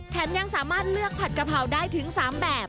ยังสามารถเลือกผัดกะเพราได้ถึง๓แบบ